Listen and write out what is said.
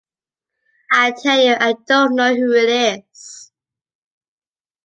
I tell you I don't know who it is.